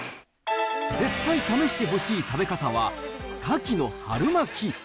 絶対試してほしい食べ方は、カキの春巻き。